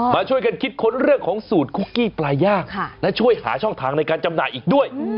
มาช่วยกันคิดค้นเรื่องของสูตรคุกกี้ปลาย่างและช่วยหาช่องทางในการจำหน่ายอีกด้วย